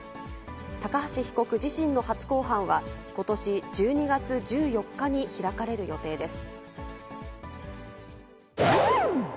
高橋被告自身の初公判は、ことし１２月１４日に開かれる予定です。